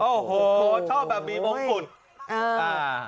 โอ้โหชอบแบบมีมงกุฎ